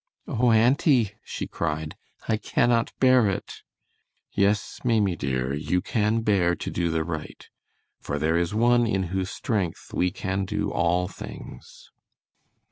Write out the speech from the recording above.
"Oh, auntie," she cried, "I cannot bear it!" "Yes, Maimie dear, you can bear to do the right, for there is One in whose strength we can do all things."